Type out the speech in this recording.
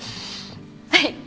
はい。